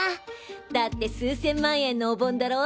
だって数千万円のお盆だろ？